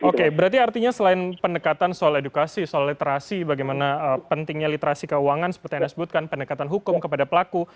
oke berarti artinya selain pendekatan soal edukasi soal literasi bagaimana pentingnya literasi keuangan seperti yang anda sebutkan pendekatan hukum kepada pelaku